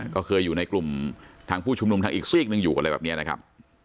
ก็เคยอยู่ในกลุ่มทางผู้ชุมนุมทางอีกซีกหนึ่งอยู่อะไรแบบนี้นะครับ